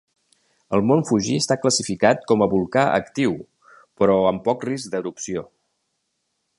El mont Fuji està classificat com a volcà actiu, però amb poc risc d'erupció.